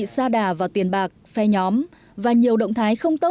chưa sắp đến lúc để phát triển công nghệ